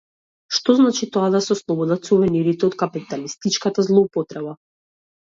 Што значи тоа да се ослободат сувенирите од капиталистичката злоупотреба?